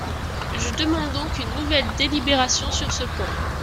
Je demande donc une nouvelle délibération sur ce point.